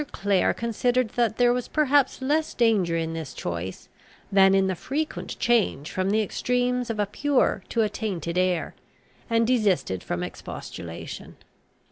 Clare considered that there was perhaps less danger in this choice, than in the frequent change from the extremes of a pure to a tainted air, and desisted from expostulation.